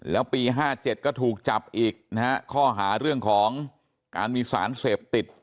แล้วปี๕๗ก็ถูกจับอีกนะฮะข้อหาเรื่องของการมีสารเสพติด